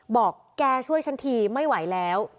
บอกแกช่วยฉันทีไม่ไหวแล้ว